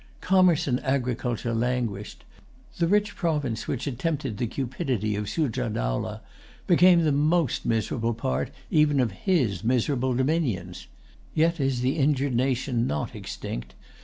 Commerce and agriculture languished. The rich province which had tempted the cupidity of Sujah Dowlah became the most miserable part even of his miserable dominions. Yet is the injured nation not extinct.